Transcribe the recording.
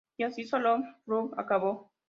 Y así Solomon Grundy acabó"".